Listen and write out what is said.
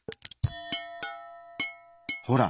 ほら！